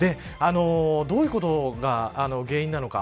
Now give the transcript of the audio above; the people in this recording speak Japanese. どういうことが原因なのか。